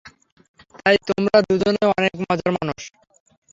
তাই তোমরা দুজনেই অনেক মজার মানুষ।